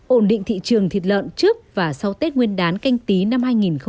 ổn định thị trường thịt lợn trước và sau tết nguyên đán canh tí năm hai nghìn hai mươi